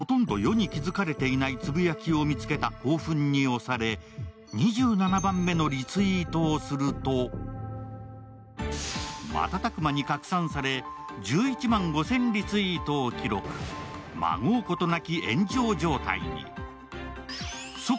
ほとんど世に気付かれていないつぶやきを見つけた興奮に押され２７番目のリツイートをすると、瞬く間に拡散され１１万５０００リツイートを記録、まごうことなき炎上状態に。